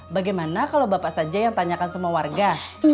bagaimana kalau bapak saja yang tanyakan semua warga